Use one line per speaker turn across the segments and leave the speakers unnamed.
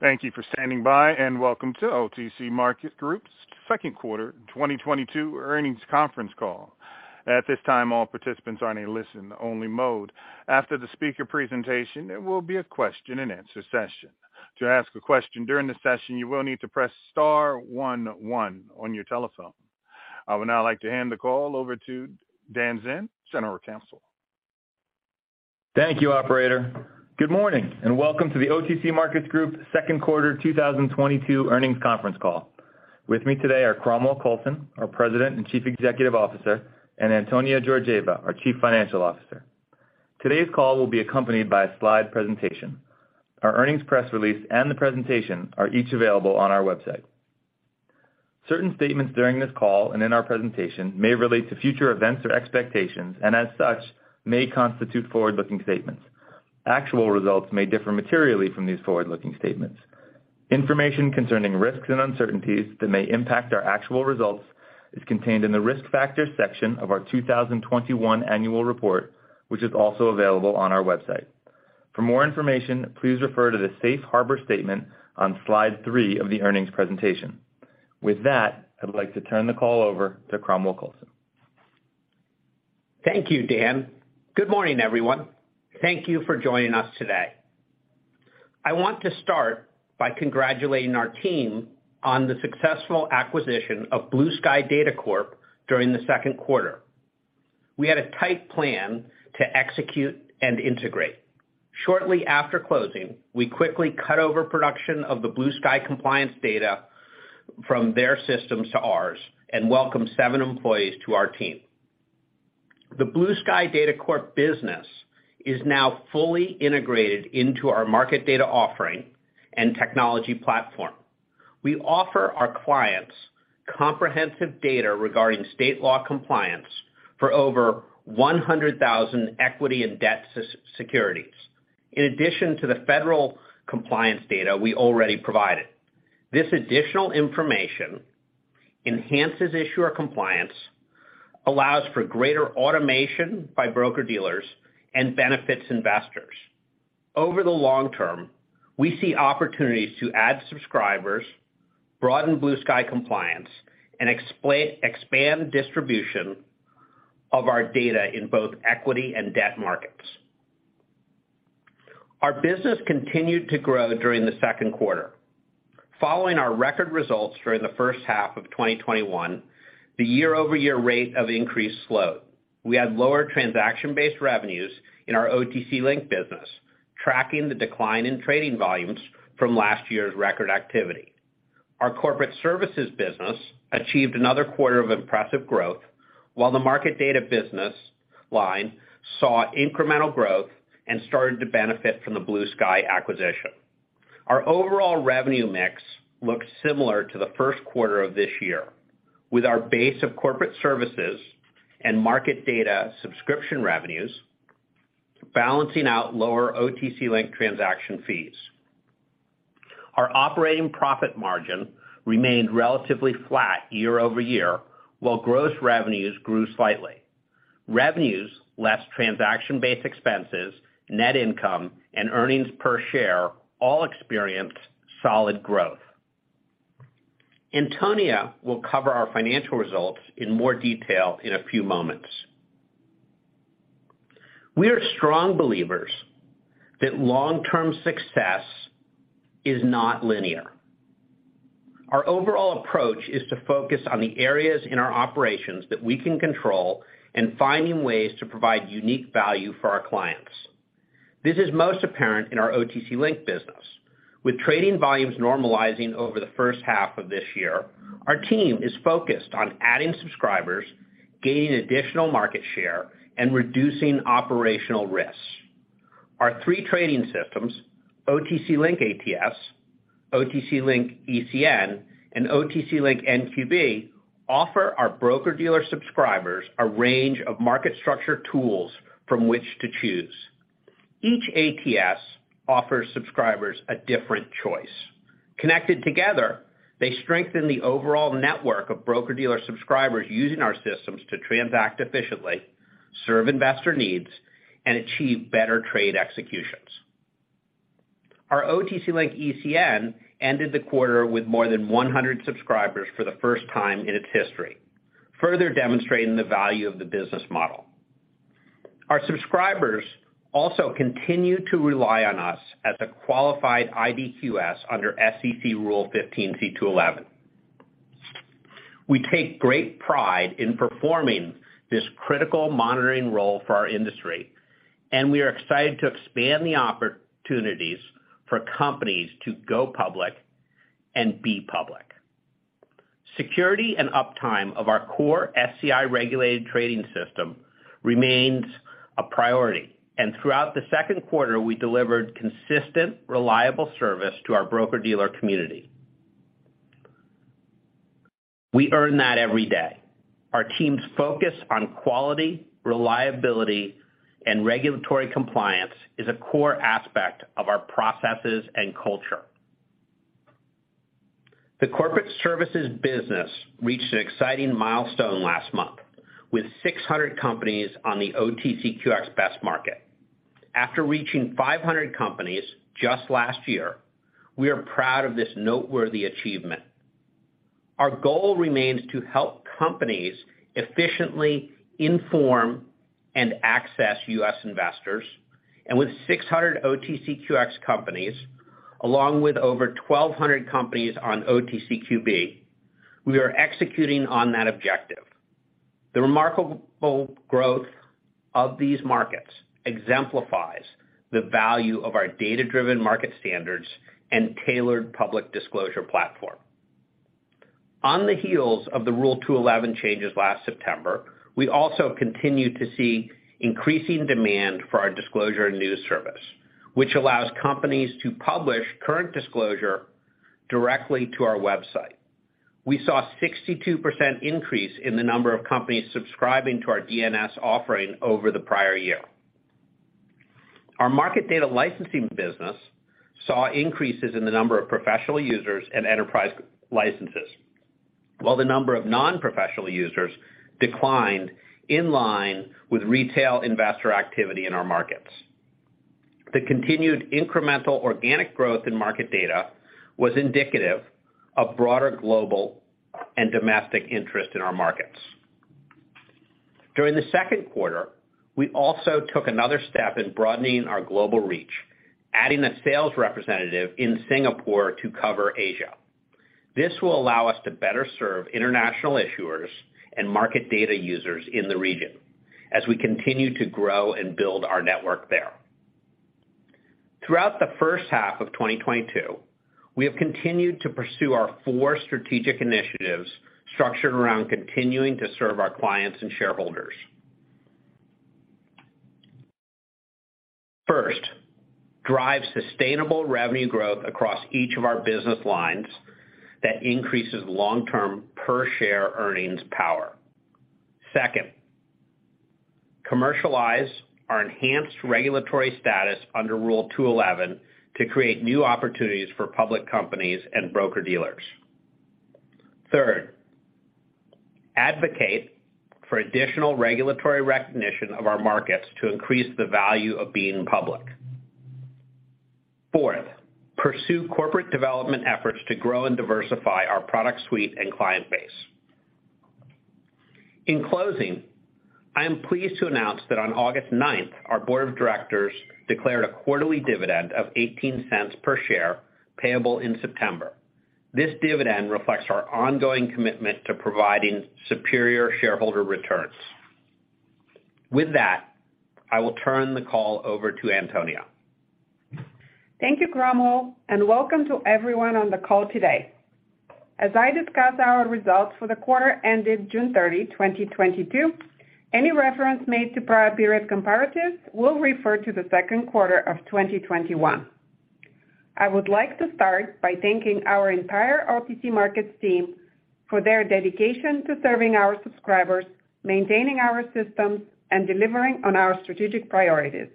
Thank you for standing by, and welcome to OTC Markets Group's second quarter 2022 earnings conference call. At this time, all participants are in a listen-only mode. After the speaker presentation, there will be a question-and-answer session. To ask a question during the session, you will need to press star one one on your telephone. I would now like to hand the call over to Dan Zinn, General Counsel.
Thank you, operator. Good morning, and welcome to the OTC Markets Group second quarter 2022 earnings conference call. With me today are Cromwell Coulson, our President and Chief Executive Officer, and Antonia Georgieva, our Chief Financial Officer. Today's call will be accompanied by a slide presentation. Our earnings press release and the presentation are each available on our website. Certain statements during this call and in our presentation may relate to future events or expectations and, as such, may constitute forward-looking statements. Actual results may differ materially from these forward-looking statements. Information concerning risks and uncertainties that may impact our actual results is contained in the Risk Factors section of our 2021 annual report, which is also available on our website. For more information, please refer to the Safe Harbor statement on slide three of the earnings presentation. With that, I'd like to turn the call over to Cromwell Coulson.
Thank you, Dan. Good morning, everyone. Thank you for joining us today. I want to start by congratulating our team on the successful acquisition of Blue Sky Data Corp during the second quarter. We had a tight plan to execute and integrate. Shortly after closing, we quickly cut over production of the Blue Sky compliance data from their systems to ours and welcomed seven employees to our team. The Blue Sky Data Corp business is now fully integrated into our market data offering and technology platform. We offer our clients comprehensive data regarding state law compliance for over 100,000 equity and debt securities. In addition to the federal compliance data we already provided. This additional information enhances issuer compliance, allows for greater automation by broker-dealers and benefits investors. Over the long term, we see opportunities to add subscribers, broaden Blue Sky compliance and expand distribution of our data in both equity and debt markets. Our business continued to grow during the second quarter. Following our record results during the first half of 2021, the year-over-year rate of increase slowed. We had lower transaction-based revenues in our OTC Link business, tracking the decline in trading volumes from last year's record activity. Our corporate services business achieved another quarter of impressive growth, while the market data business line saw incremental growth and started to benefit from the Blue Sky acquisition. Our overall revenue mix looked similar to the first quarter of this year, with our base of corporate services and market data subscription revenues balancing out lower OTC Link transaction fees. Our operating profit margin remained relatively flat year over year, while gross revenues grew slightly. Revenues less transaction-based expenses, net income, and earnings per share all experienced solid growth. Antonia will cover our financial results in more detail in a few moments. We are strong believers that long-term success is not linear. Our overall approach is to focus on the areas in our operations that we can control and finding ways to provide unique value for our clients. This is most apparent in our OTC Link business. With trading volumes normalizing over the first half of this year, our team is focused on adding subscribers, gaining additional market share, and reducing operational risks. Our three trading systems, OTC Link ATS, OTC Link ECN, and OTC Link NQB, offer our broker-dealer subscribers a range of market structure tools from which to choose. Each ATS offers subscribers a different choice. Connected together, they strengthen the overall network of broker-dealer subscribers using our systems to transact efficiently, serve investor needs, and achieve better trade executions. Our OTC Link ECN ended the quarter with more than 100 subscribers for the first time in its history, further demonstrating the value of the business model. Our subscribers also continue to rely on us as a qualified IDQS under SEC Rule 15c2-11. We take great pride in performing this critical monitoring role for our industry, and we are excited to expand the opportunities for companies to go public and be public. Security and uptime of our core SCI-regulated trading system remains a priority, and throughout the second quarter, we delivered consistent, reliable service to our broker-dealer community. We earn that every day. Our team's focus on quality, reliability, and regulatory compliance is a core aspect of our processes and culture. The corporate services business reached an exciting milestone last month with 600 companies on the OTCQX Best Market. After reaching 500 companies just last year, we are proud of this noteworthy achievement. Our goal remains to help companies efficiently inform and access U.S. investors, and with 600 OTCQX companies, along with over 1,200 companies on OTCQB, we are executing on that objective. The remarkable growth of these markets exemplifies the value of our data-driven market standards and tailored public disclosure platform. On the heels of the Rule 15c2-11 changes last September, we also continue to see increasing demand for our disclosure and news service, which allows companies to publish current disclosure directly to our website. We saw a 62% increase in the number of companies subscribing to our DNS offering over the prior year. Our market data licensing business saw increases in the number of professional users and enterprise licenses, while the number of non-professional users declined in line with retail investor activity in our markets. The continued incremental organic growth in market data was indicative of broader global and domestic interest in our markets. During the second quarter, we also took another step in broadening our global reach, adding a sales representative in Singapore to cover Asia. This will allow us to better serve international issuers and market data users in the region as we continue to grow and build our network there. Throughout the first half of 2022, we have continued to pursue our four strategic initiatives structured around continuing to serve our clients and shareholders. First, drive sustainable revenue growth across each of our business lines that increases long-term per-share earnings power. Second, commercialize our enhanced regulatory status under Rule 15c2-11 to create new opportunities for public companies and broker-dealers. Third, advocate for additional regulatory recognition of our markets to increase the value of being public. Fourth, pursue corporate development efforts to grow and diversify our product suite and client base. In closing, I am pleased to announce that on August ninth, our board of directors declared a quarterly dividend of $0.18 per share payable in September. This dividend reflects our ongoing commitment to providing superior shareholder returns. With that, I will turn the call over to Antonia.
Thank you, Cromwell, and welcome to everyone on the call today. As I discuss our results for the quarter ended June 30, 2022, any reference made to prior period comparatives will refer to the second quarter of 2021. I would like to start by thanking our entire OTC Markets team for their dedication to serving our subscribers, maintaining our systems, and delivering on our strategic priorities.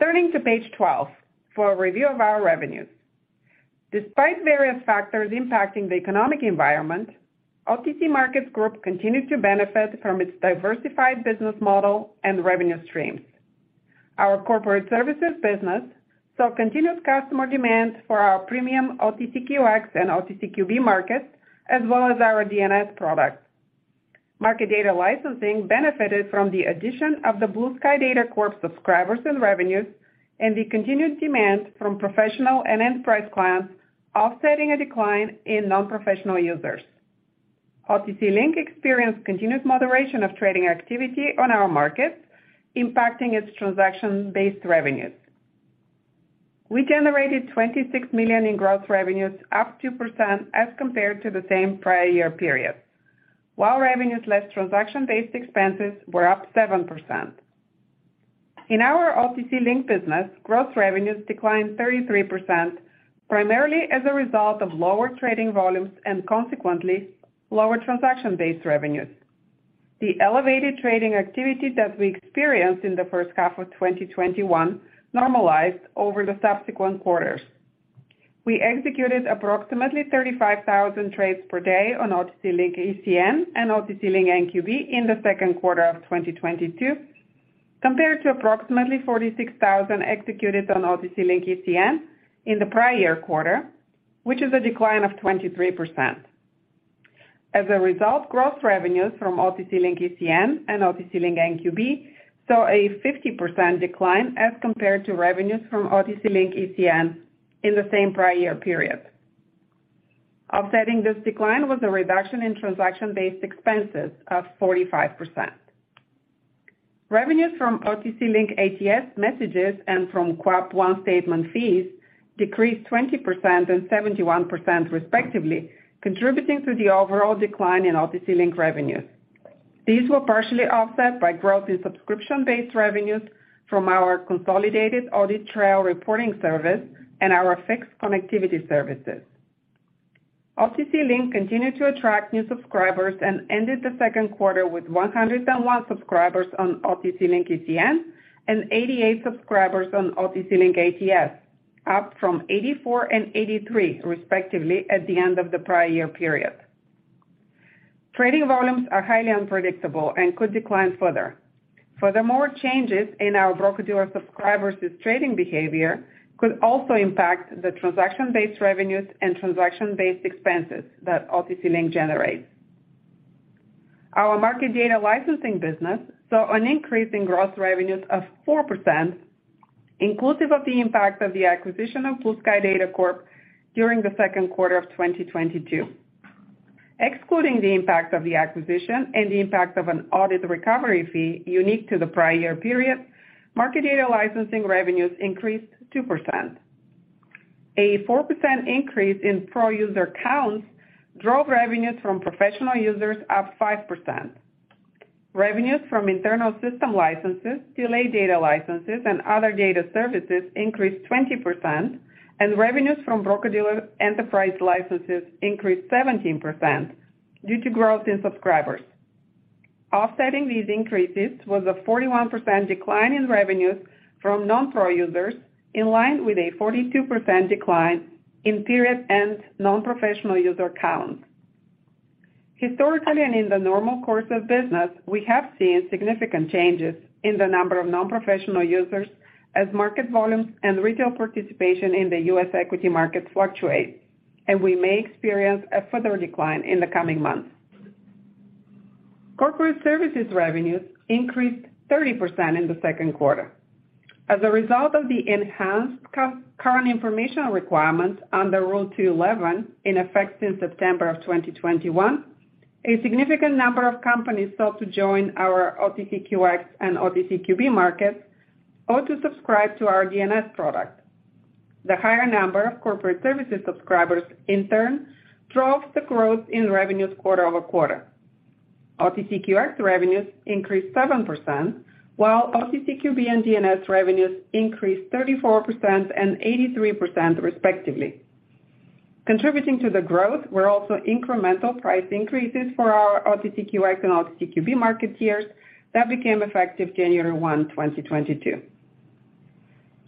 Turning to page 12 for a review of our revenues. Despite various factors impacting the economic environment, OTC Markets Group continued to benefit from its diversified business model and revenue streams. Our corporate services business saw continuous customer demand for our premium OTCQX and OTCQB markets, as well as our DNS product. Market data licensing benefited from the addition of the Blue Sky Data Corp subscribers and revenues, and the continued demand from professional and enterprise clients offsetting a decline in non-professional users. OTC Link experienced continuous moderation of trading activity on our markets, impacting its transaction-based revenues. We generated $26 million in growth revenues, up 2% as compared to the same prior year period, while revenues less transaction-based expenses were up 7%. In our OTC Link business, growth revenues declined 33%, primarily as a result of lower trading volumes and consequently lower transaction-based revenues. The elevated trading activity that we experienced in the first half of 2021 normalized over the subsequent quarters. We executed approximately 35,000 trades per day on OTC Link ECN and OTC Link NQB in the second quarter of 2022, compared to approximately 46,000 executed on OTC Link ECN in the prior quarter, which is a decline of 23%. As a result, gross revenues from OTC Link ECN and OTC Link NQB saw a 50% decline as compared to revenues from OTC Link ECN in the same prior year period. Offsetting this decline was a reduction in transaction-based expenses of 45%. Revenues from OTC Link ATS messages and from QAP One statement fees decreased 20% and 71% respectively, contributing to the overall decline in OTC Link revenues. These were partially offset by growth in subscription-based revenues from our Consolidated Audit Trail reporting service and our fixed connectivity services. OTC Link continued to attract new subscribers and ended the second quarter with 101 subscribers on OTC Link ECN and 88 subscribers on OTC Link ATS, up from 84 and 83 respectively at the end of the prior year period. Trading volumes are highly unpredictable and could decline further. Furthermore, changes in our broker-dealer subscribers' trading behavior could also impact the transaction-based revenues and transaction-based expenses that OTC Link generates. Our market data licensing business saw an increase in gross revenues of 4%, inclusive of the impact of the acquisition of Blue Sky Data Corp during the second quarter of 2022. Excluding the impact of the acquisition and the impact of an audit recovery fee unique to the prior year period, market data licensing revenues increased 2%. A 4% increase in pro-user counts drove revenues from professional users up 5%. Revenues from internal system licenses, delay data licenses, and other data services increased 20%, and revenues from broker-dealer enterprise licenses increased 17% due to growth in subscribers. Offsetting these increases was a 41% decline in revenues from non-pro users, in line with a 42% decline in period end non-professional user count. Historically and in the normal course of business, we have seen significant changes in the number of non-professional users as market volumes and retail participation in the U.S. equity markets fluctuate, and we may experience a further decline in the coming months. Corporate services revenues increased 30% in the second quarter. As a result of the enhanced current information requirements under Rule 15c2-11 in effect since September of 2021, a significant number of companies sought to join our OTCQX and OTCQB markets or to subscribe to our DNS product. The higher number of corporate services subscribers in turn drove the growth in revenues quarter-over-quarter. OTCQX revenues increased 7%, while OTCQB and DNS revenues increased 34% and 83% respectively. Contributing to the growth were also incremental price increases for our OTCQX and OTCQB market tiers that became effective January 1, 2022.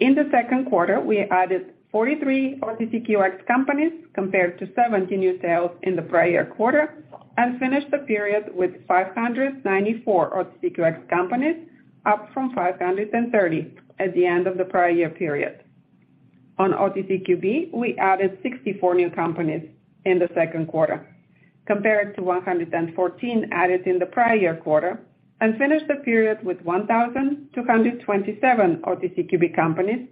In the second quarter, we added 43 OTCQX companies compared to 70 new sales in the prior quarter and finished the period with 594 OTCQX companies, up from 530 at the end of the prior year period. On OTCQB, we added 64 new companies in the second quarter compared to 114 added in the prior quarter and finished the period with 1,227 OTCQB companies,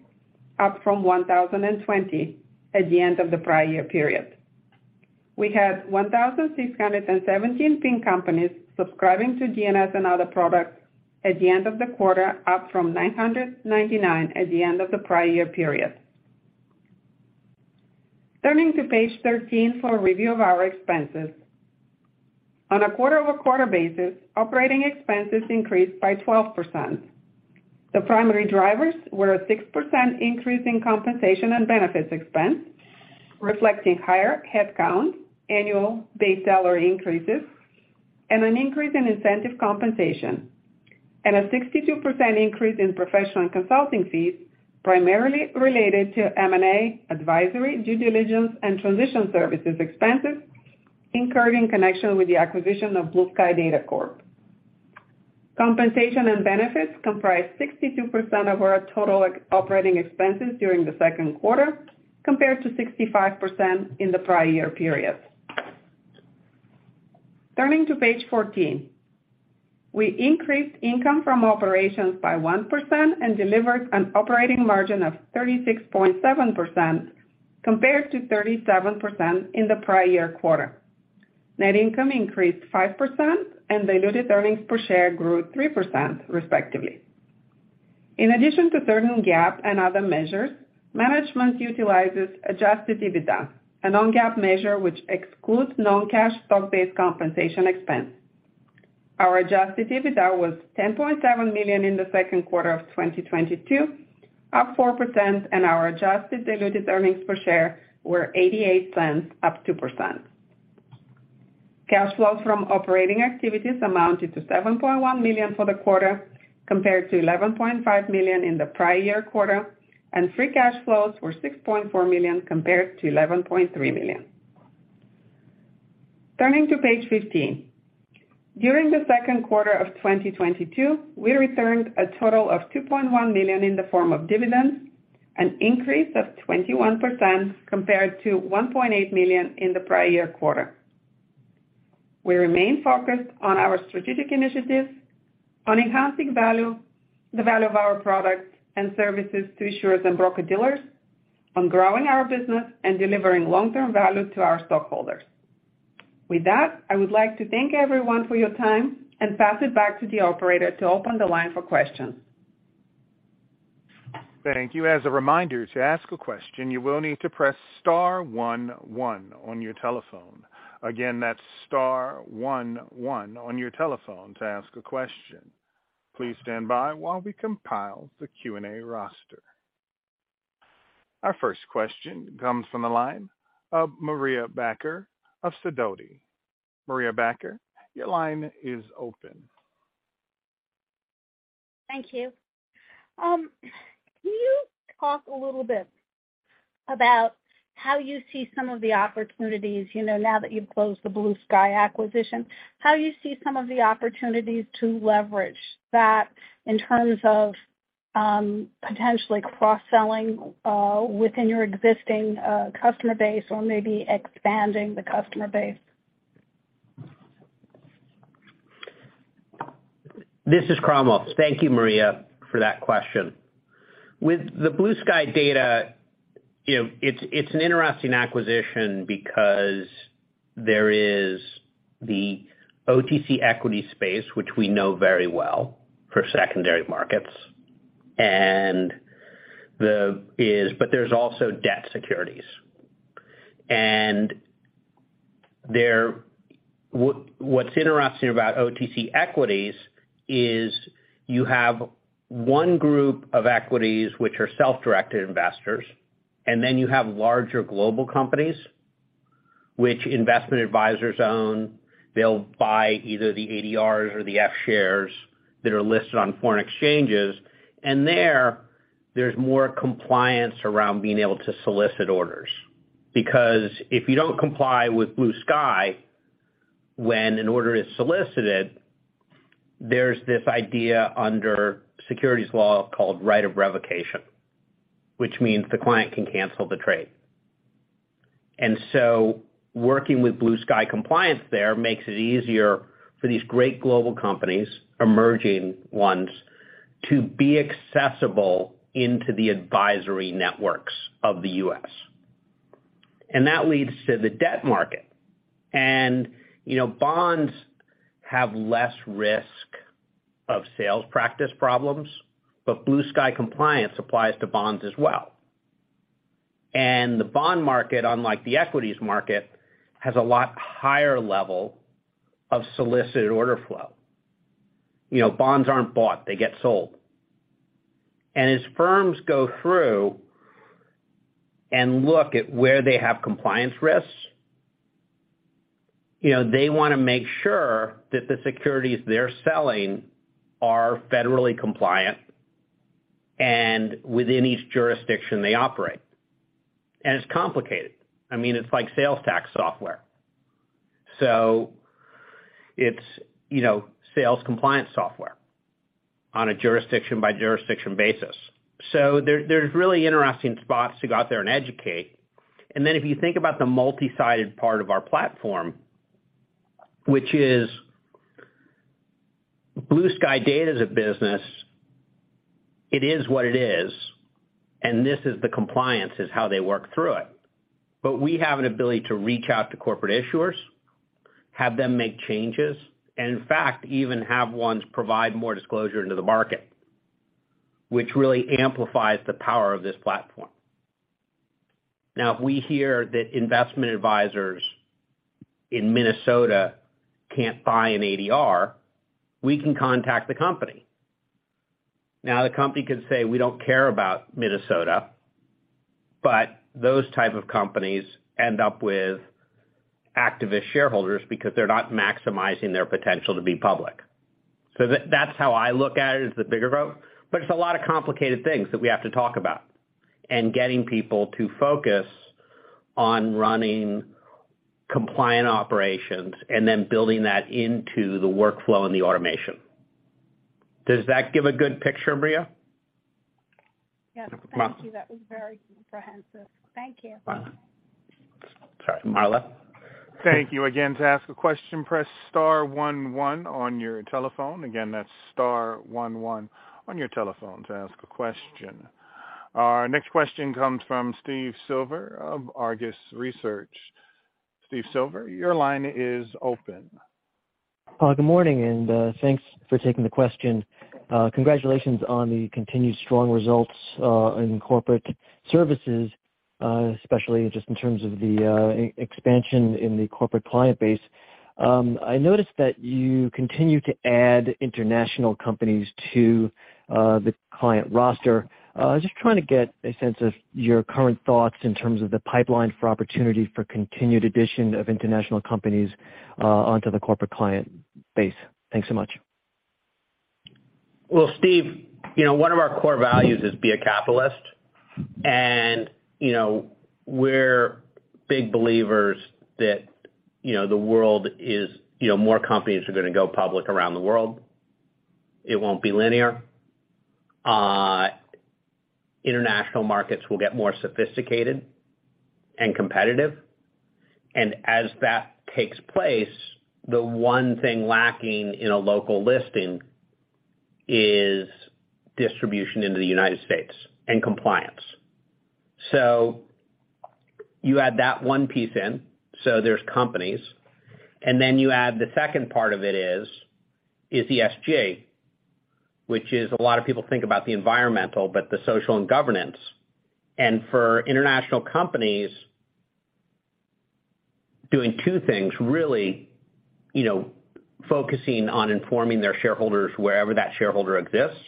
up from 1,020 at the end of the prior year period. We had 1,617 FIN companies subscribing to DNS and other products at the end of the quarter, up from 999 at the end of the prior year period. Turning to page 13 for a review of our expenses. On a quarter-over-quarter basis, operating expenses increased by 12%. The primary drivers were a 6% increase in compensation and benefits expense, reflecting higher headcount, annual base salary increases, and an increase in incentive compensation, and a 62% increase in professional and consulting fees, primarily related to M&A advisory, due diligence, and transition services expenses incurred in connection with the acquisition of Blue Sky Data Corp. Compensation and benefits comprised 62% of our total operating expenses during the second quarter, compared to 65% in the prior year period. Turning to page 14. We increased income from operations by 1% and delivered an operating margin of 36.7% compared to 37% in the prior year quarter. Net income increased 5% and diluted earnings per share grew 3% respectively. In addition to certain GAAP and other measures, management utilizes Adjusted EBITDA, a non-GAAP measure which excludes non-cash stock-based compensation expense. Our Adjusted EBITDA was $10.7 million in the second quarter of 2022, up 4%, and our adjusted diluted earnings per share were $0.88, up 2%. Cash flows from operating activities amounted to $7.1 million for the quarter, compared to $11.5 million in the prior year quarter, and free cash flows were $6.4 million compared to $11.3 million. Turning to page 15. During the second quarter of 2022, we returned a total of $2.1 million in the form of dividends, an increase of 21% compared to $1.8 million in the prior year quarter. We remain focused on our strategic initiatives on enhancing value, the value of our products and services to issuers and broker-dealers, on growing our business and delivering long-term value to our stockholders. With that, I would like to thank everyone for your time and pass it back to the operator to open the line for questions.
Thank you. As a reminder, to ask a question, you will need to press star one one on your telephone. Again, that's star one one on your telephone to ask a question. Please stand by while we compile the Q&A roster. Our first question comes from the line of Anja Soderstrom of Sidoti & Company. Anja Soderstrom, your line is open.
Thank you. Can you talk a little bit about how you see some of the opportunities, you know, now that you've closed the Blue Sky acquisition? How you see some of the opportunities to leverage that in terms of potentially cross-selling within your existing customer base or maybe expanding the customer base?
This is Cromwell Coulson. Thank you, Anja Soderstrom, for that question. With the Blue Sky data, you know, it's an interesting acquisition because there is the OTC equity space, which we know very well for secondary markets, and. There's also debt securities. What's interesting about OTC equities is you have one group of equities which are self-directed investors, and then you have larger global companies which investment advisors own. They'll buy either the ADRs or the F shares that are listed on foreign exchanges. There's more compliance around being able to solicit orders. Because if you don't comply with Blue Sky when an order is solicited, there's this idea under securities law called right of rescission, which means the client can cancel the trade. Working with Blue Sky compliance there makes it easier for these great global companies, emerging ones, to be accessible into the advisory networks of the U.S. That leads to the debt market. You know, bonds have less risk of sales practice problems, but Blue Sky compliance applies to bonds as well. The bond market, unlike the equities market, has a lot higher level of solicited order flow. You know, bonds aren't bought, they get sold. As firms go through and look at where they have compliance risks, you know, they wanna make sure that the securities they're selling are federally compliant and within each jurisdiction they operate. It's complicated. I mean, it's like sales tax software. It's, you know, sales compliance software on a jurisdiction-by-jurisdiction basis. There, there's really interesting spots to go out there and educate. Then if you think about the multi-sided part of our platform, which is Blue Sky Data is a business. It is what it is, and this is the compliance is how they work through it. We have an ability to reach out to corporate issuers, have them make changes, and in fact, even have ones provide more disclosure into the market, which really amplifies the power of this platform. If we hear that investment advisors in Minnesota can't buy an ADR, we can contact the company. The company could say, "We don't care about Minnesota," but those type of companies end up with activist shareholders because they're not maximizing their potential to be public. That, that's how I look at it, is the bigger growth. It's a lot of complicated things that we have to talk about, and getting people to focus on running compliant operations and then building that into the workflow and the automation. Does that give a good picture, Anja?
Yes. Thank you. That was very comprehensive. Thank you.
Sorry, Anja Soderstrom.
Thank you again. To ask a question, press star one one on your telephone. Again, that's star one one on your telephone to ask a question. Our next question comes from Steve Silver of Argus Research. Steve Silver, your line is open.
Good morning, thanks for taking the question. Congratulations on the continued strong results in corporate services, especially just in terms of the expansion in the corporate client base. I noticed that you continue to add international companies to the client roster. Just trying to get a sense of your current thoughts in terms of the pipeline for opportunity for continued addition of international companies onto the corporate client base. Thanks so much.
Well, Steve, you know, one of our core values is be a capitalist. You know, we're big believers that, you know, the world is. You know, more companies are gonna go public around the world. It won't be linear. International markets will get more sophisticated and competitive. As that takes place, the one thing lacking in a local listing is distribution into the United States and compliance. You add that one piece in, so there's companies, and then you add the second part of it is ESG, which a lot of people think about the environmental, but the social and governance. For international companies doing two things, really, you know, focusing on informing their shareholders wherever that shareholder exists,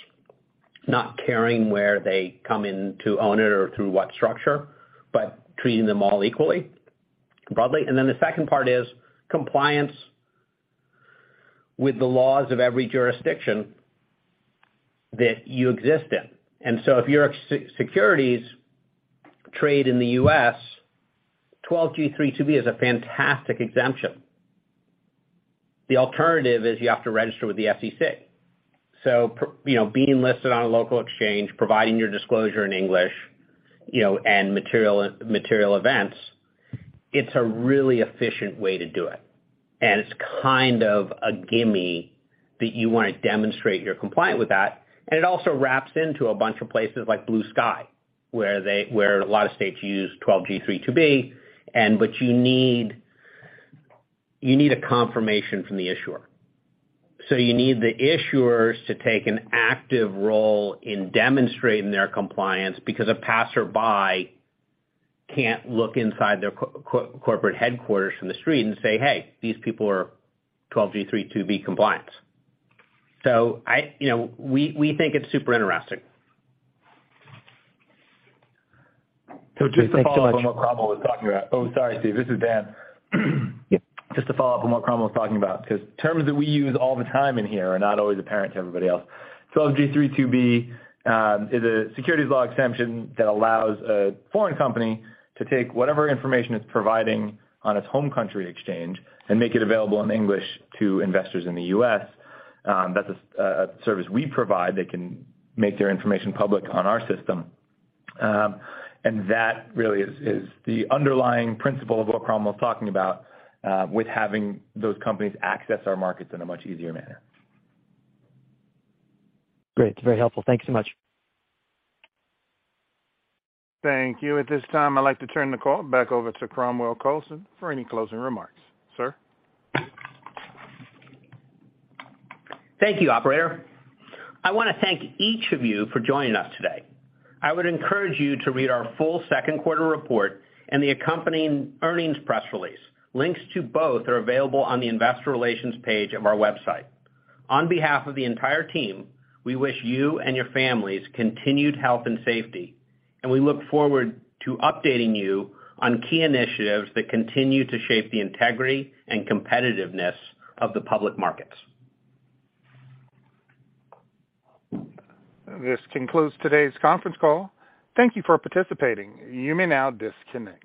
not caring where they come in to own it or through what structure, but treating them all equally, broadly. Then the second part is compliance with the laws of every jurisdiction that you exist in. So if your securities trade in the U.S., Rule 12g3-2(b) is a fantastic exemption. The alternative is you have to register with the SEC. You know, being listed on a local exchange, providing your disclosure in English, you know, and material events, it's a really efficient way to do it. It's kind of a gimme that you wanna demonstrate you're compliant with that. It also wraps into a bunch of places like Blue Sky, where a lot of states use Rule 12g3-2(b), but you need a confirmation from the issuer. You need the issuers to take an active role in demonstrating their compliance because a passerby can't look inside their corporate headquarters from the street and say, "Hey, these people are 12g3-2(b) compliant." I, you know, we think it's super interesting.
just to follow up-
Thanks so much.
On what Cromwell was talking about. Oh, sorry, Steve. This is Dan. Just to follow up on what Cromwell was talking about, 'cause terms that we use all the time in here are not always apparent to everybody else. 12g3-2(b) is a securities law exemption that allows a foreign company to take whatever information it's providing on its home country exchange and make it available in English to investors in the U.S. That's a service we provide. They can make their information public on our system. And that really is the underlying principle of what Cromwell's talking about with having those companies access our markets in a much easier manner.
Great. It's very helpful. Thank you so much.
Thank you. At this time, I'd like to turn the call back over to Cromwell Coulson for any closing remarks. Sir?
Thank you, operator. I wanna thank each of you for joining us today. I would encourage you to read our full second quarter report and the accompanying earnings press release. Links to both are available on the investor relations page of our website. On behalf of the entire team, we wish you and your families continued health and safety, and we look forward to updating you on key initiatives that continue to shape the integrity and competitiveness of the public markets.
This concludes today's conference call. Thank you for participating. You may now disconnect.